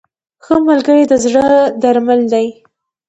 • ښه ملګری د زړه درمل دی.